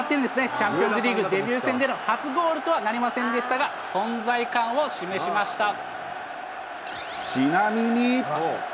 チャンピオンズリーグデビュー戦での初ゴールとなりませんでしたちなみに。